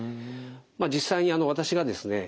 実際に私がですね